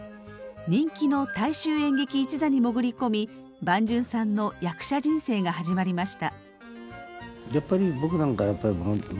人気の大衆演劇一座に潜り込み伴淳さんの役者人生が始まりました。